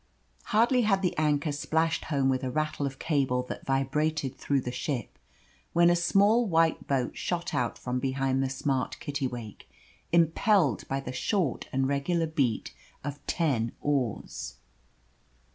Hardly had the anchor splashed home with a rattle of cable that vibrated through the ship, when a small white boat shot out from behind the smart Kittiwake, impelled by the short and regular beat of ten oars.